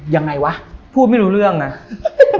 ยังไงวะพูดไม่รู้เรื่องไง